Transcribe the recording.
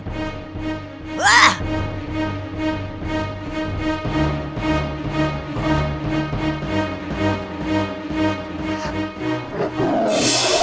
aduh aduh aduh